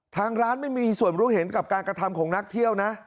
ทางร้านไม่มีส่วนรู้เห็นกับการกระทำของนักเที่ยวนะ